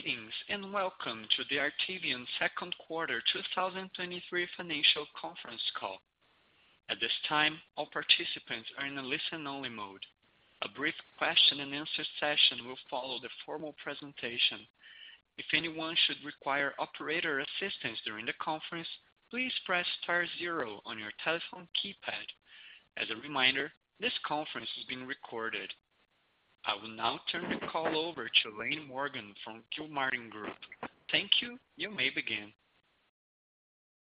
Greetings, welcome to the Artivion second quarter 2023 financial conference call. At this time, all participants are in a listen-only mode. A brief Q&A session will follow the formal presentation. If anyone should require operator assistance during the conference, please press *0 on your telephone keypad. As a reminder, this conference is being recorded. I will now turn the call over to Laine Morgan from Gilmartin Group. Thank you. You may begin.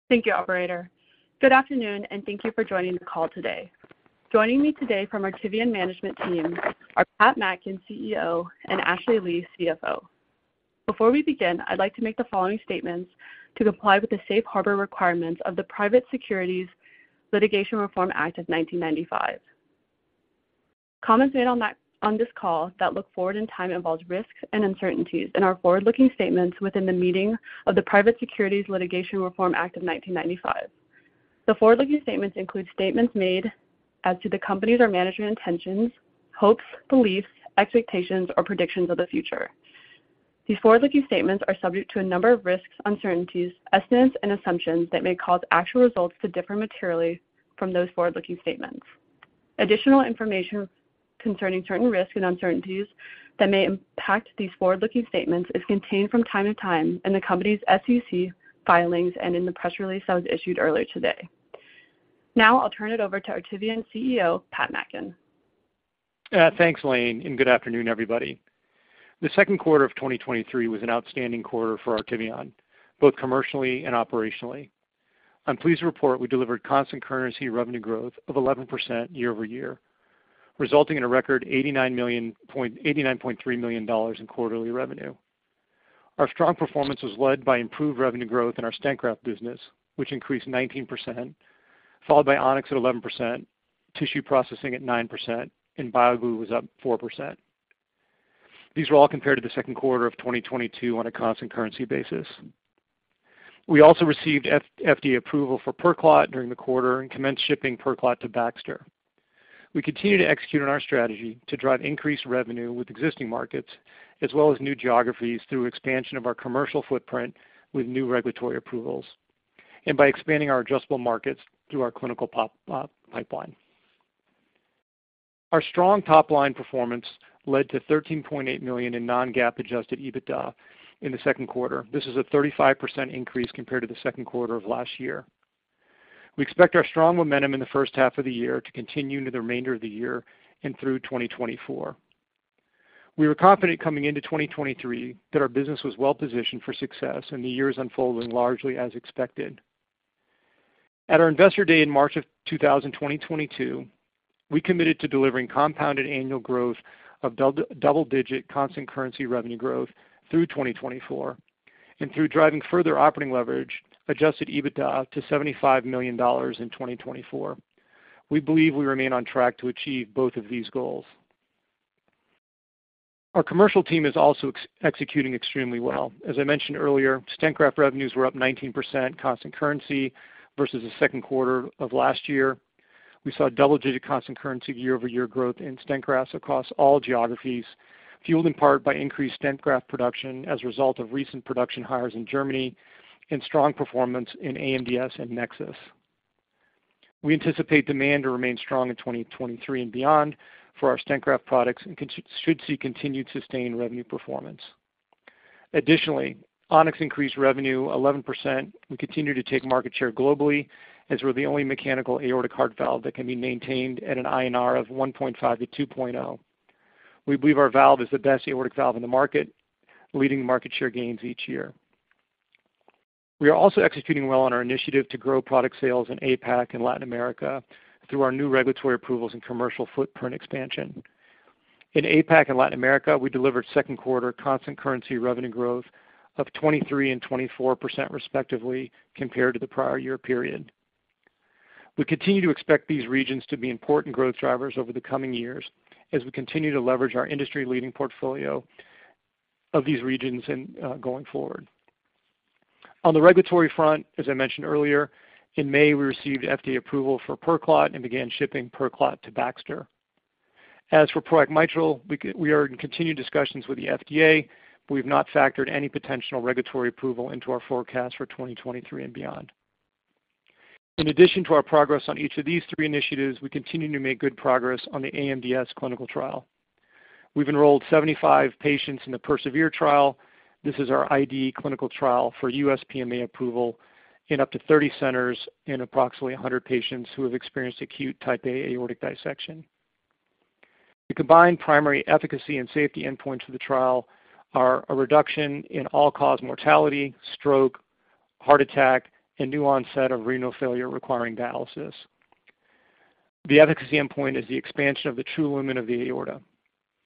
Thank you, operator. Good afternoon, and thank you for joining the call today. Joining me today from Artivion management team are Pat Mackin, CEO, and Ashley Lee, CFO. Before we begin, I'd like to make the following statements to comply with the safe harbor requirements of the Private Securities Litigation Reform Act of 1995. Comments made on this call that look forward in time involve risks and uncertainties and are forward-looking statements within the meaning of the Private Securities Litigation Reform Act of 1995. The forward-looking statements include statements made as to the company's or management intentions, hopes, beliefs, expectations, or predictions of the future. These forward-looking statements are subject to a number of risks, uncertainties, estimates, and assumptions that may cause actual results to differ materially from those forward-looking statements. Additional information concerning certain risks and uncertainties that may impact these forward-looking statements is contained from time to time in the company's SEC filings and in the press release that was issued earlier today. Now I'll turn it over to Artivion CEO, Pat Mackin. Thanks, Laine, and good afternoon, everybody. The second quarter of 2023 was an outstanding quarter for Artivion, both commercially and operationally. I'm pleased to report we delivered constant currency revenue growth of 11% year-over-year, resulting in a record $89.3 million in quarterly revenue. Our strong performance was led by improved revenue growth in our stent graft business, which increased 19%, followed by On-X at 11%, tissue processing at 9%, and BioGlue was up 4%. These were all compared to the second quarter of 2022 on a constant currency basis. We also received FDA approval for PerClot during the quarter and commenced shipping PerClot to Baxter. We continue to execute on our strategy to drive increased revenue with existing markets, as well as new geographies through expansion of our commercial footprint with new regulatory approvals, and by expanding our adjustable markets through our clinical pipeline. Our strong top-line performance led to $13.8 million in non-GAAP adjusted EBITDA in the second quarter. This is a 35% increase compared to the second quarter of last year. We expect our strong momentum in the first half of the year to continue into the remainder of the year and through 2024. We were confident coming into 2023 that our business was well positioned for success, and the year is unfolding largely as expected. At our Investor Day in March 2022, we committed to delivering compounded annual growth of double-digit constant currency revenue growth through 2024, through driving further operating leverage, adjusted EBITDA to $75 million in 2024. We believe we remain on track to achieve both of these goals. Our commercial team is also executing extremely well. As I mentioned earlier, stent graft revenues were up 19% constant currency versus the second quarter of last year. We saw double-digit constant currency year-over-year growth in stent grafts across all geographies, fueled in part by increased stent graft production as a result of recent production hires in Germany and strong performance in AMDS and NEXUS. We anticipate demand to remain strong in 2023 and beyond for our stent graft products should see continued sustained revenue performance. Additionally, On-X increased revenue 11%. We continue to take market share globally, as we're the only mechanical aortic heart valve that can be maintained at an INR of 1.5 to 2.0. We believe our valve is the best aortic valve in the market, leading market share gains each year. We are also executing well on our initiative to grow product sales in APAC and Latin America through our new regulatory approvals and commercial footprint expansion. In APAC and Latin America, we delivered second quarter constant currency revenue growth of 23% and 24%, respectively, compared to the prior year period. We continue to expect these regions to be important growth drivers over the coming years as we continue to leverage our industry-leading portfolio of these regions and going forward. On the regulatory front, as I mentioned earlier, in May, we received FDA approval for PerClot and began shipping PerClot to Baxter. As for PROACT Mitral, we are in continued discussions with the FDA. We've not factored any potential regulatory approval into our forecast for 2023 and beyond. In addition to our progress on each of these three initiatives, we continue to make good progress on the AMDS clinical trial. We've enrolled 75 patients in the PERSEVERE trial. This is our IDE clinical trial for U.S. PMA approval in up to 30 centers and approximately 100 patients who have experienced acute Type A aortic dissection. The combined primary efficacy and safety endpoints for the trial are a reduction in all-cause mortality, stroke, heart attack, and new onset of renal failure requiring dialysis. The efficacy endpoint is the expansion of the true lumen of the aorta.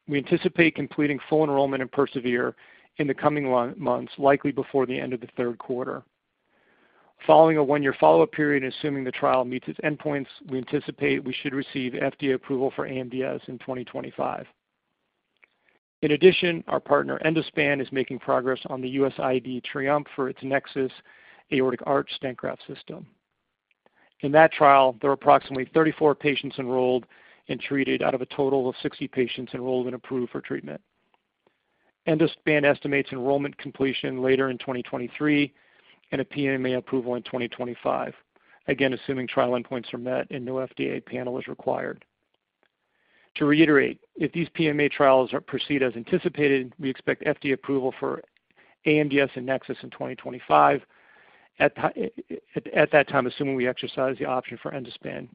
We anticipate completing full enrollment in PERSEVERE in the coming months, likely before the end of the third quarter. Following a one-year follow-up period, assuming the trial meets its endpoints, we anticipate we should receive FDA approval for AMDS in 2025. Our partner Endospan, is making progress on the U.S. IDE TRIOMPHE for its NEXUS Aortic Arch Stent Graft System. In that trial, there are approximately 34 patients enrolled and treated out of a total of 60 patients enrolled and approved for treatment. Endospan estimates enrollment completion later in 2023, and a PMA approval in 2025. Assuming trial endpoints are met and no FDA panel is required. To reiterate, if these PMA trials are proceed as anticipated, we expect FDA approval for AMDS and NEXUS in 2025. At that time, assuming we exercise the option for Endospan,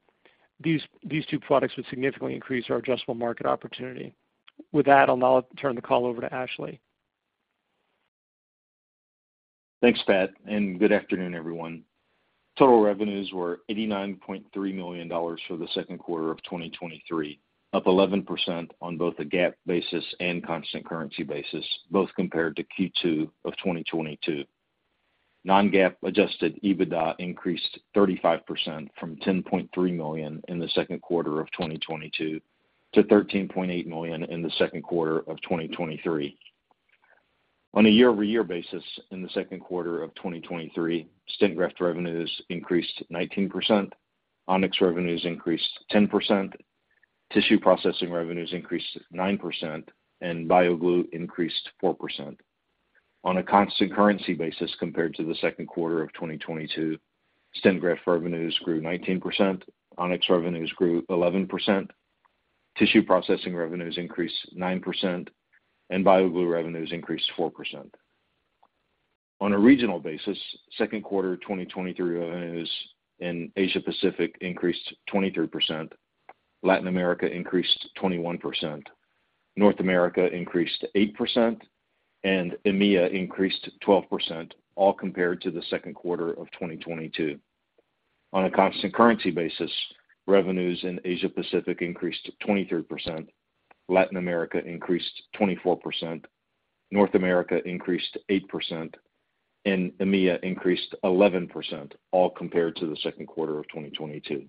these, these two products would significantly increase our addressable market opportunity. With that, I'll now turn the call over to Ashley. Thanks, Pat. Good afternoon, everyone. Total revenues were $89.3 million for the second quarter of 2023, up 11% on both a GAAP basis and constant currency basis, both compared to Q2 of 2022. Non-GAAP adjusted EBITDA increased 35% from $10.3 million in the second quarter of 2022 to $13.8 million in the second quarter of 2023. On a year-over-year basis, in the second quarter of 2023, stent graft revenues increased 19%, On-X revenues increased 10%, tissue processing revenues increased 9%, and BioGlue increased 4%. On a constant currency basis compared to the second quarter of 2022, stent graft revenues grew 19%, On-X revenues grew 11%, tissue processing revenues increased 9%, and BioGlue revenues increased 4%. On a regional basis, second quarter 2023 revenues in Asia Pacific increased 23%, Latin America increased 21%, North America increased 8%, and EMEA increased 12%, all compared to the second quarter of 2022. On a constant currency basis, revenues in Asia Pacific increased 23%, Latin America increased 24%, North America increased 8%, and EMEA increased 11%, all compared to the second quarter of 2022.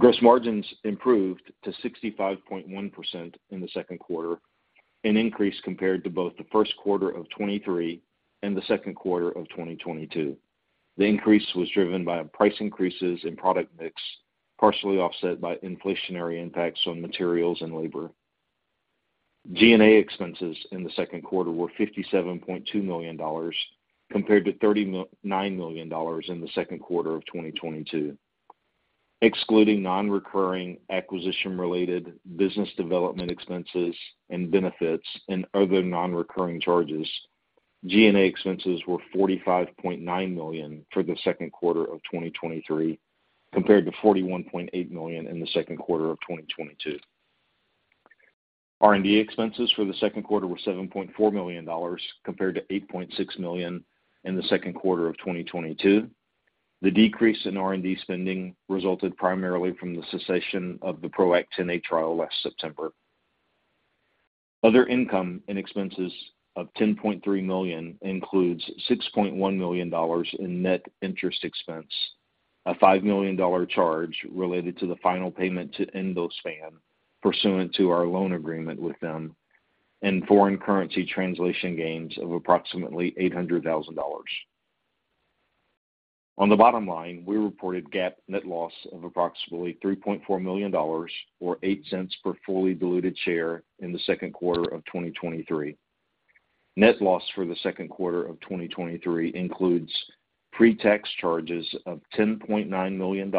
Gross margins improved to 65.1% in the second quarter, an increase compared to both the first quarter of 2023 and the second quarter of 2022. The increase was driven by price increases in product mix, partially offset by inflationary impacts on materials and labor. G&A expenses in the second quarter were $57.2 million, compared to $39 million in the second quarter of 2022. Excluding nonrecurring acquisition-related business development expenses and benefits and other nonrecurring charges, G&A expenses were $45.9 million for the second quarter of 2023, compared to $41.8 million in the second quarter of 2022. R&D expenses for the second quarter were $7.4 million, compared to $8.6 million in the second quarter of 2022. The decrease in R&D spending resulted primarily from the cessation of the PROACT-NA trial last September. Other income and expenses of $10.3 million includes $6.1 million in net interest expense, a $5 million charge related to the final payment to Endospan pursuant to our loan agreement with them, and foreign currency translation gains of approximately $800,000. On the bottom line, we reported GAAP net loss of approximately $3.4 million, or $0.08 per fully diluted share in the second quarter of 2023. Net loss for the second quarter of 2023 includes pre-tax charges of $10.9 million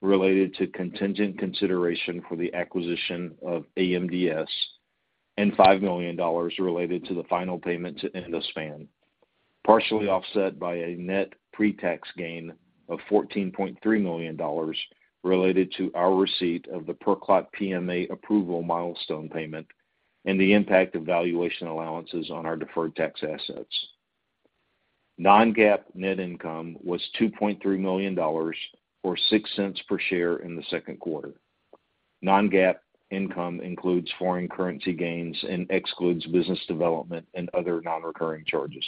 related to contingent consideration for the acquisition of AMDS and $5 million related to the final payment to Endospan, partially offset by a net pre-tax gain of $14.3 million related to our receipt of the PerClot PMA approval milestone payment and the impact of valuation allowances on our deferred tax assets. non-GAAP net income was $2.3 million, or $0.06 per share in the second quarter. non-GAAP income includes foreign currency gains and excludes business development and other nonrecurring charges.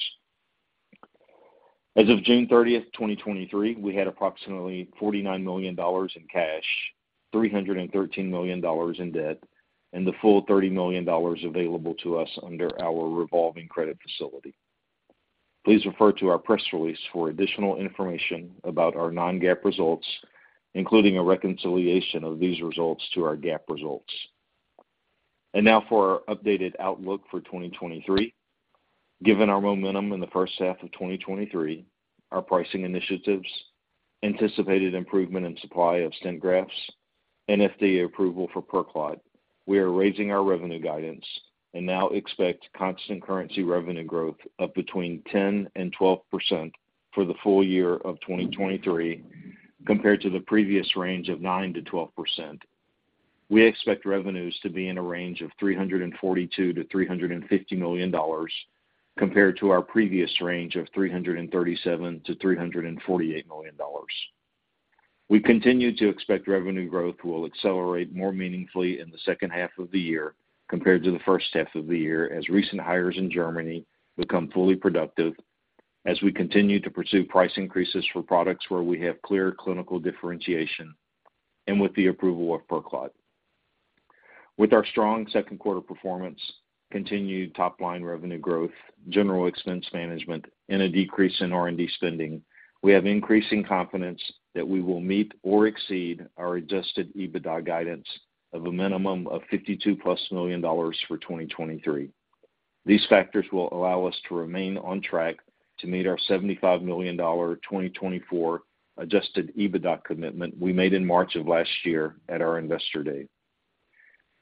As of June 30, 2023, we had approximately $49 million in cash, $313 million in debt, and the full $30 million available to us under our revolving credit facility. Please refer to our press release for additional information about our non-GAAP results, including a reconciliation of these results to our GAAP results. Now for our updated outlook for 2023. Given our momentum in the first half of 2023, our pricing initiatives, anticipated improvement in supply of stent grafts, and FDA approval for PerClot, we are raising our revenue guidance and now expect constant currency revenue growth of between 10% and 12% for the full year of 2023, compared to the previous range of 9%-12%. We expect revenues to be in a range of $342 million-$350 million, compared to our previous range of $337 million-$348 million. We continue to expect revenue growth will accelerate more meaningfully in the 2nd half of the year compared to the 1st half of the year, as recent hires in Germany become fully productive, as we continue to pursue price increases for products where we have clear clinical differentiation, and with the approval of PerClot. With our strong 2nd quarter performance, continued top line revenue growth, general expense management, and a decrease in R&D spending, we have increasing confidence that we will meet or exceed our adjusted EBITDA guidance of a minimum of $52+ million for 2023. These factors will allow us to remain on track to meet our $75 million 2024 adjusted EBITDA commitment we made in March of last year at our Investor Day.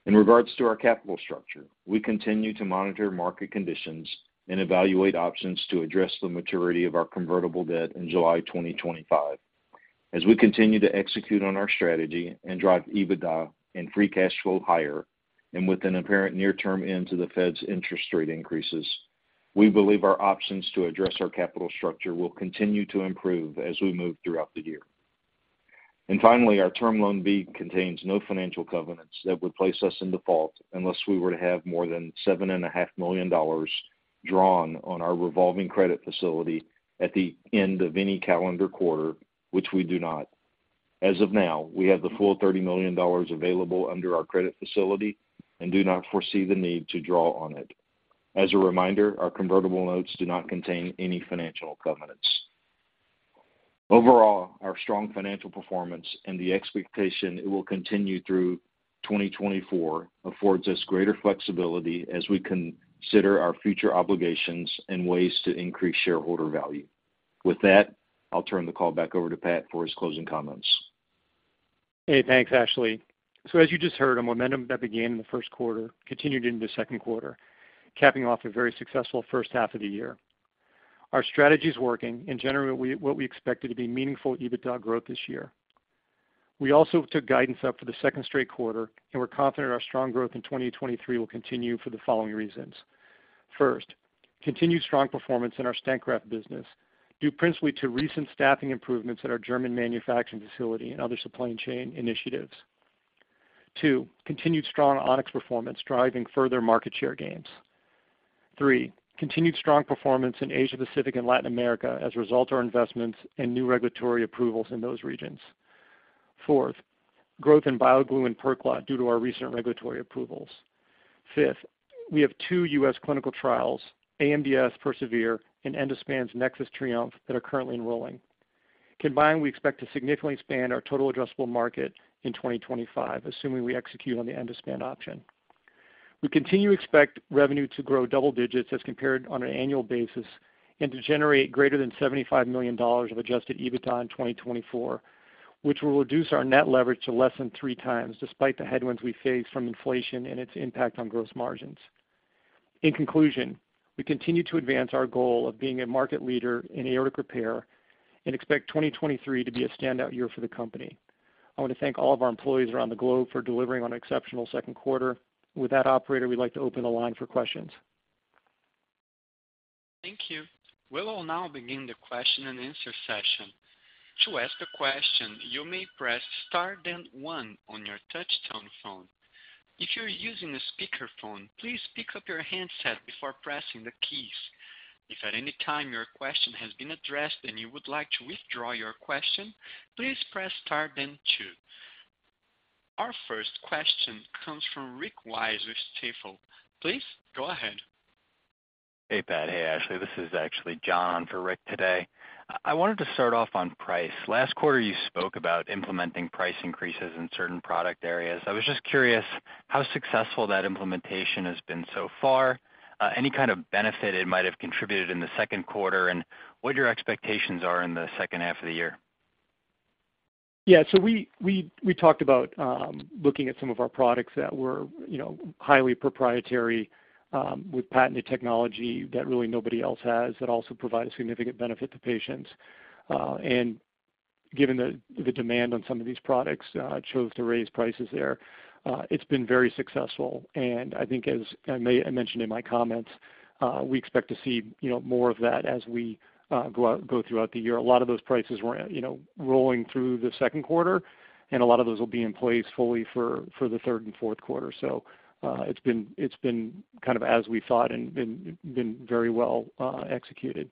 In regards to our capital structure, we continue to monitor market conditions and evaluate options to address the maturity of our convertible debt in July 2025. As we continue to execute on our strategy and drive EBITDA and free cash flow higher, and with an apparent near-term end to the Fed's interest rate increases, we believe our options to address our capital structure will continue to improve as we move throughout the year. Finally, our term loan B contains no financial covenants that would place us in default unless we were to have more than $7.5 million drawn on our revolving credit facility at the end of any calendar quarter, which we do not. As of now, we have the full $30 million available under our credit facility and do not foresee the need to draw on it. As a reminder, our convertible notes do not contain any financial covenants. Overall, our strong financial performance and the expectation it will continue through 2024 affords us greater flexibility as we consider our future obligations and ways to increase shareholder value. With that, I'll turn the call back over to Pat for his closing comments. Hey, thanks, Ashley. As you just heard, a momentum that began in the 1st quarter continued into the 2nd quarter, capping off a very successful 1st half of the year. Our strategy is working and generating what we expected to be meaningful EBITDA growth this year. We also took guidance up for the 2nd straight quarter, and we're confident our strong growth in 2023 will continue for the following reasons. 1st, continued strong performance in our stent graft business, due principally to recent staffing improvements at our German manufacturing facility and other supply chain initiatives. 2, continued strong On-X performance, driving further market share gains. 3, continued strong performance in Asia Pacific and Latin America as a result of our investments and new regulatory approvals in those regions. 4th, growth in BioGlue and PerClot due to our recent regulatory approvals. Fifth, we have two U.S. clinical trials, AMDS PERSEVERE and Endospan's NEXUS TRIOMPHE, that are currently enrolling. Combined, we expect to significantly expand our total addressable market in 2025, assuming we execute on the Endospan option. We continue to expect revenue to grow double digits as compared on an annual basis, and to generate greater than $75 million of adjusted EBITDA in 2024, which will reduce our net leverage to less than 3 times, despite the headwinds we face from inflation and its impact on gross margins. In conclusion, we continue to advance our goal of being a market leader in aortic repair and expect 2023 to be a standout year for the company. I want to thank all of our employees around the globe for delivering on an exceptional second quarter. With that, operator, we'd like to open the line for questions. Thank you. We will now begin the Q&A session. To ask a question, you may press star then one on your touchtone phone. If you're using a speakerphone, please pick up your handset before pressing the keys. If at any time your question has been addressed and you would like to withdraw your question, please press star then two. Our first question comes from Rick Wise with Stifel. Please go ahead. Hey, Pat. Hey, Ashley. This is actually John for Rick today. I wanted to start off on price. Last quarter, you spoke about implementing price increases in certain product areas. I was just curious how successful that implementation has been so far, any kind of benefit it might have contributed in the second quarter, and what your expectations are in the second half of the year? Yeah, we, we, we talked about looking at some of our products that were, you know, highly proprietary, with patented technology that really nobody else has, that also provide a significant benefit to patients. Given the demand on some of these products, chose to raise prices there, it's been very successful. I think as I mentioned in my comments, we expect to see you know more of that as we go throughout the year. A lot of those prices were, you know, rolling through the second quarter, and a lot of those will be in place fully for the third and fourth quarter. It's been, it's been kind of as we thought and been, been very well executed.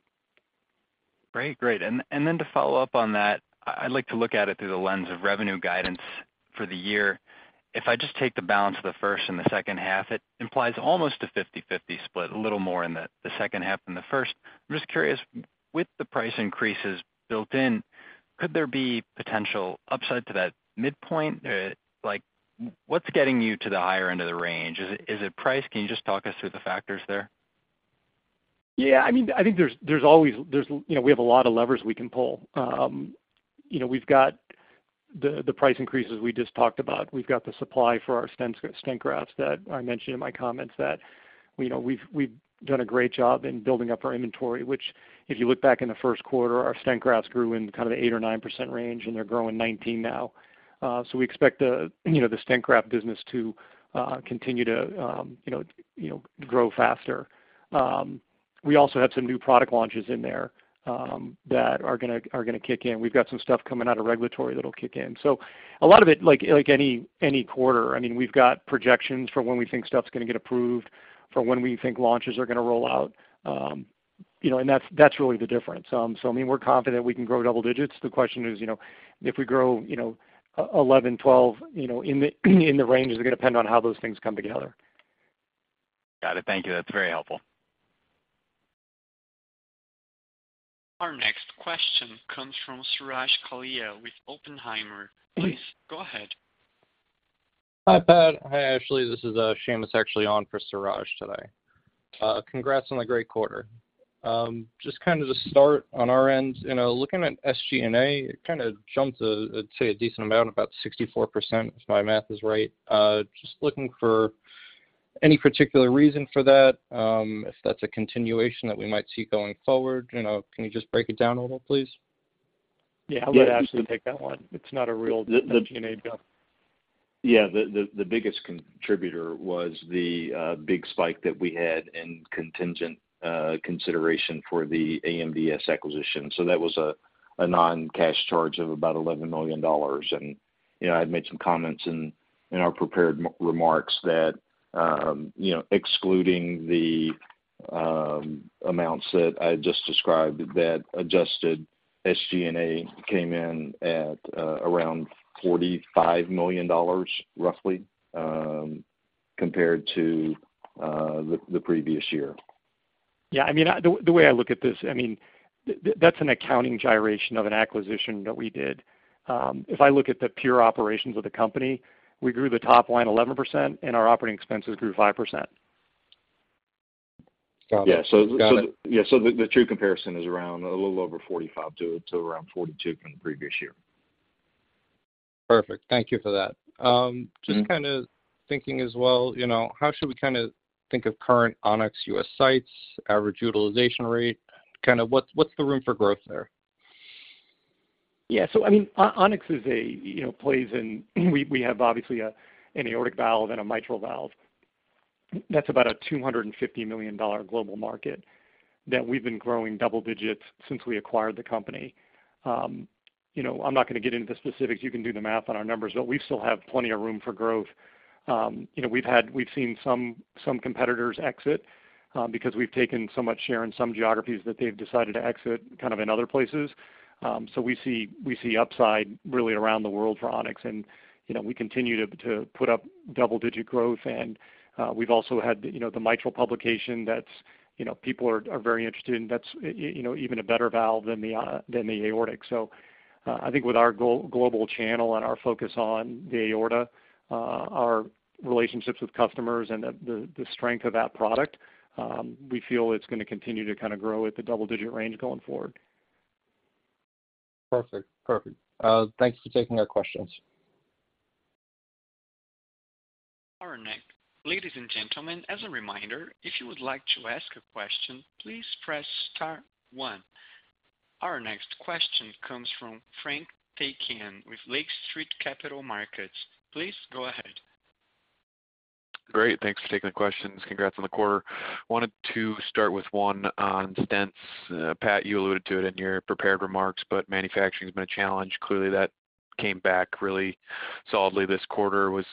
Great, great. Then to follow up on that, I'd like to look at it through the lens of revenue guidance for the year. If I just take the balance of the first and the second half, it implies almost a 50/50 split, a little more in the, the second half than the first. I'm just curious, with the price increases built in, could there be potential upside to that midpoint? Like, what's getting you to the higher end of the range? Is it, is it price? Can you just talk us through the factors there? Yeah, I mean, I think there's, there's, you know, we have a lot of levers we can pull. You know, we've got the, the price increases we just talked about. We've got the supply for our stent grafts that I mentioned in my comments that, you know, we've, we've done a great job in building up our inventory, which, if you look back in the first quarter, our stent grafts grew in kind of the 8% or 9% range, and they're growing 19 now. So we expect the, you know, the stent graft business to continue to, you know, grow faster. We also have some new product launches in there that are gonna kick in. We've got some stuff coming out of regulatory that'll kick in. A lot of it, like, like any, any quarter, I mean, we've got projections for when we think stuff's gonna get approved, for when we think launches are gonna roll out, you know, and that's, that's really the difference. I mean, we're confident we can grow double digits. The question is, you know, if we grow, you know, 11, 12, you know, in the, in the range, is going to depend on how those things come together. Got it. Thank you. That's very helpful. Our next question comes from Suraj Kalia with Oppenheimer. Please go ahead. Hi, Pat Mackin. Hi, Ashley Lee. This is Shaymus actually on for Suraj Kalia today. Congrats on the great quarter. Just kind of to start on our end, you know, looking at SG&A, it kind of jumped a, I'd say, a decent amount, about 64%, if my math is right. Just looking for any particular reason for that, if that's a continuation that we might see going forward? You know, can you just break it down a little, please? Yeah, I'll let Ashley take that one. It's not a real SG&A job. Yeah, the biggest contributor was the, big spike that we had in contingent, consideration for the AMDS acquisition. That was a non-cash charge of about $11 million. You know, I'd made some comments in our prepared remarks that, you know, excluding the, amounts that I just described, that adjusted SG&A came in at, around $45 million, roughly, compared to the previous year. Yeah, I mean, the way I look at this, I mean, that's an accounting gyration of an acquisition that we did. If I look at the pure operations of the company, we grew the top line 11%, and our operating expenses grew 5%. Got it. Yeah. Got it. Yeah, the, the true comparison is around a little over $45 to, to around $42 from the previous year. Perfect. Thank you for that. Mm-hmm. Just kind of thinking as well, you know, how should we kind of think of current On-X U.S. sites, average utilization rate, kind of what's, what's the room for growth there? Yeah. I mean, On-X is a, you know, plays in... We, we have obviously a, an aortic valve and a mitral valve. That's about a $250 million global market that we've been growing double digits since we acquired the company. You know, I'm not going to get into specifics. You can do the math on our numbers, but we still have plenty of room for growth. You know, we've seen some competitors exit because we've taken so much share in some geographies that they've decided to exit kind of in other places. We see upside really around the world for On-X. You know, we continue to put up double-digit growth. We've also had, you know, the mitral publication that's, you know, people are very interested in. That's, you know, even a better valve than the than the aortic. I think with our global channel and our focus on the aorta, our relationships with customers and the, the, the strength of that product, we feel it's going to continue to kind of grow at the double digit range going forward. Perfect. Perfect. Thanks for taking our questions. Ladies and gentlemen, as a reminder, if you would like to ask a question, please press star one. Our next question comes from Frank Takkinen with Lake Street Capital Markets. Please go ahead. Great. Thanks for taking the questions. Congrats on the quarter. Wanted to start with one on stents. Pat, you alluded to it in your prepared remarks, but manufacturing has been a challenge. Clearly, that came back really solidly this quarter. Was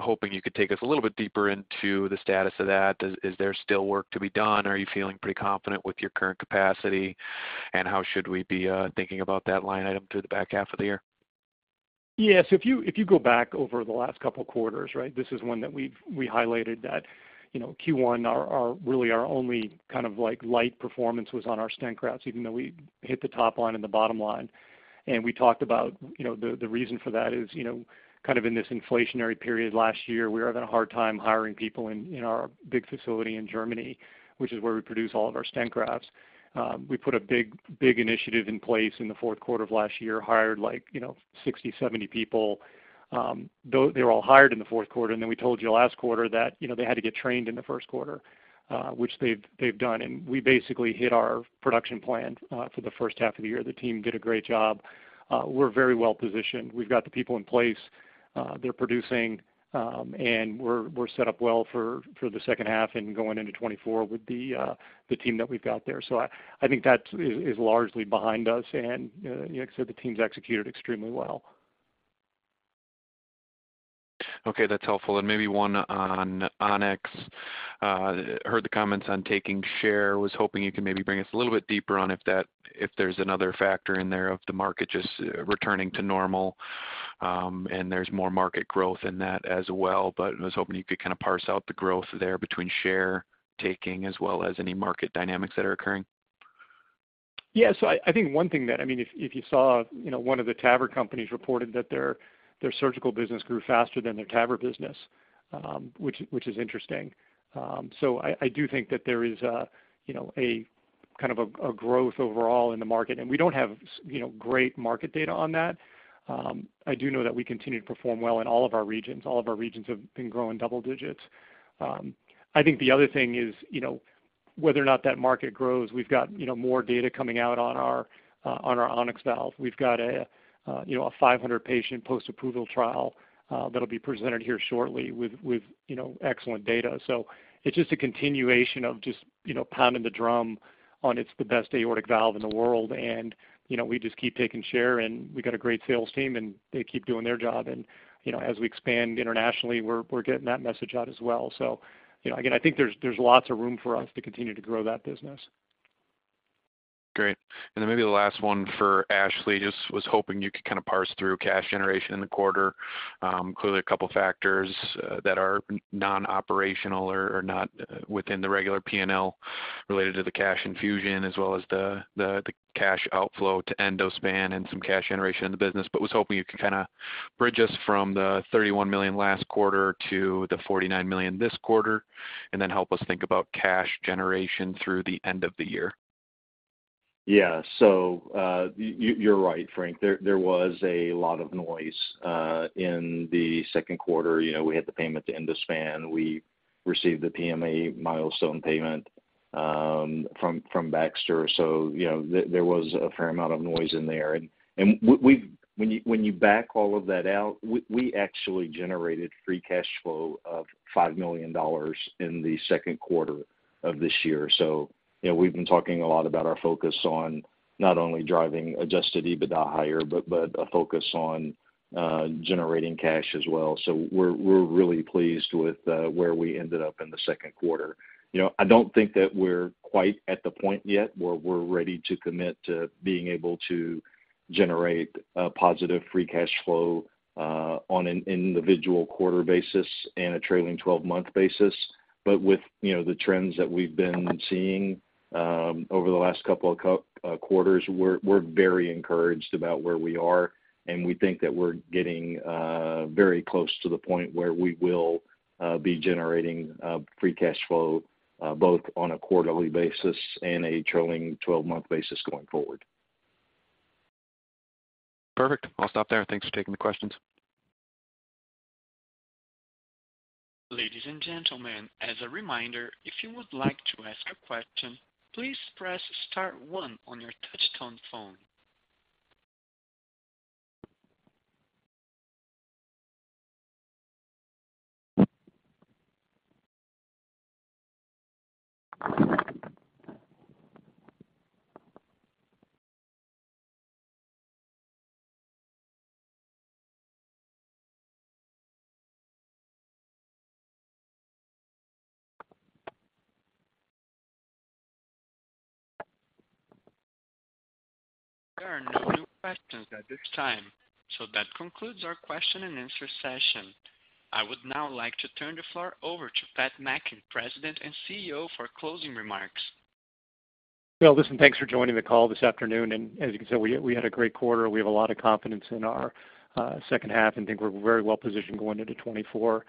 hoping you could take us a little bit deeper into the status of that. Is there still work to be done, or are you feeling pretty confident with your current capacity? How should we be thinking about that line item through the back half of the year? Yes, if you, if you go back over the last couple of quarters, right? This is one that we've, we highlighted that, you know, Q1 are, are really our only kind of like, light performance was on our stent grafts, even though we hit the top line and the bottom line. And we talked about, you know, the, the reason for that is, you know, kind of in this inflationary period last year, we were having a hard time hiring people in, in our big facility in Germany, which is where we produce all of our stent grafts. We put a big, big initiative in place in the fourth quarter of last year, hired like, you know, 60, 70 people. They were all hired in the fourth quarter, and then we told you last quarter that, you know, they had to get trained in the first quarter, which they've, they've done. We basically hit our production plan for the first half of the year. The team did a great job. We're very well positioned. We've got the people in place, they're producing, and we're, we're set up well for, for the second half and going into 2024 with the team that we've got there. I think that is, is largely behind us, and, like I said, the team's executed extremely well. Okay, that's helpful. Maybe one on On-X. Heard the comments on taking share. Was hoping you could maybe bring us a little bit deeper on if there's another factor in there of the market just returning to normal, and there's more market growth in that as well. I was hoping you could kind of parse out the growth there between share taking as well as any market dynamics that are occurring. Yeah. I, I think 1 thing that, I mean, if, if you saw, you know, 1 of the TAVR companies reported that their surgical business grew faster than their TAVR business, which is interesting. I, I do think that there is a, you know, a kind of a growth overall in the market, and we don't have, you know, great market data on that. I do know that we continue to perform well in all of our regions. All of our regions have been growing double digits. I think the other thing is, you know, whether or not that market grows, we've got, you know, more data coming out on our On-X valve. We've got, you know, a 500 patient post-approval trial that'll be presented here shortly with, you know, excellent data. It's just a continuation of just, you know, pounding the drum on it's the best aortic valve in the world, and, you know, we just keep taking share, and we got a great sales team, and they keep doing their job. You know, as we expand internationally, we're, we're getting that message out as well. You know, again, I think there's, there's lots of room for us to continue to grow that business. Great. Then maybe the last one for Ashley. Just was hoping you could kind of parse through cash generation in the quarter. Clearly, a couple factors that are non-operational or, or not within the regular PNL related to the cash infusion as well as the, the, the cash outflow to Endospan and some cash generation in the business. Was hoping you could kinda bridge us from the $31 million last quarter to the $49 million this quarter, and then help us think about cash generation through the end of the year. Yeah. You, you're right, Frank. There, there was a lot of noise in the 2Q. You know, we had the payment to Endospan. We received the PMA milestone payment from, from Baxter. You know, there, there was a fair amount of noise in there. We, when you, when you back all of that out, we, we actually generated free cash flow of $5 million in the 2Q of this year. You know, we've been talking a lot about our focus on not only driving adjusted EBITDA higher, but, but a focus on generating cash as well. We're, we're really pleased with where we ended up in the 2Q. You know, I don't think that we're quite at the point yet where we're ready to commit to being able to generate a positive free cash flow on an individual quarter basis and a trailing 12-month basis. With, you know, the trends that we've been seeing over the last couple of quarters, we're, we're very encouraged about where we are, and we think that we're getting very close to the point where we will be generating free cash flow both on a quarterly basis and a trailing 12-month basis going forward. Perfect. I'll stop there. Thanks for taking the questions. Ladies and gentlemen, as a reminder, if you would like to ask a question, please press star one on your touchtone phone. There are no new questions at this time. That concludes our Q&A session. I would now like to turn the floor over to Pat Mackin, President and CEO, for closing remarks. Well, listen, thanks for joining the call this afternoon, as you can see, we had a great quarter. We have a lot of confidence in our second half, think we're very well positioned going into 2024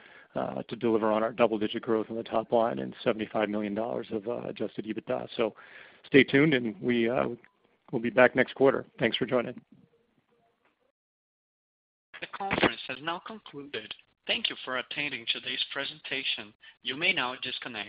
to deliver on our double-digit growth on the top line and $75 million of adjusted EBITDA. Stay tuned, we'll be back next quarter. Thanks for joining. The conference has now concluded. Thank you for attending today's presentation. You may now disconnect.